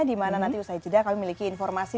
dimana nanti usai jeda kami memiliki informasi